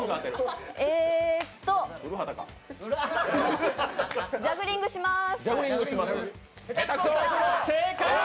えーとジャグリングします。